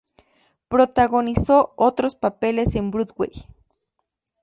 Protagonizó otros papeles en Broadway.